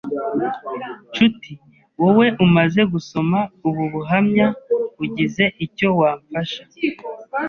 Nshuti wowe umaze gusoma ubu buhamya ugize icyo wamfasha